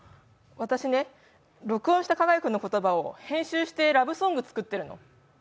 私ね、録音した加賀谷君の言葉を編集してラブソング作ってるの。